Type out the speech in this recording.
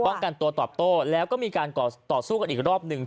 กันตัวตอบโต้แล้วก็มีการต่อสู้กันอีกรอบหนึ่ง